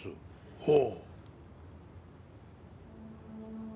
ほう。